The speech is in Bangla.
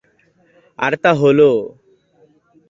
আর তা হলও।